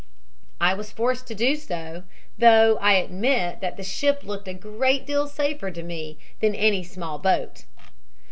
I was forced to do so, though I admit that the ship looked a great deal safer to me than any small boat.